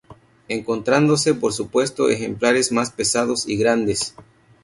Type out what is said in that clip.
Encontrándose —por supuesto— ejemplares más pesados y grandes.